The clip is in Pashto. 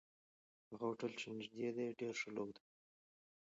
هغه هوټل چې نږدې دی، ډېر شلوغ دی.